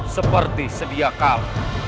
seperti sedia kau